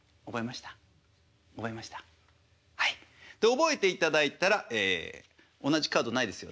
覚えていただいたら同じカードないですよね？